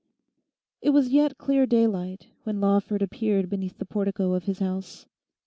It was yet clear daylight when Lawford appeared beneath the portico of his house.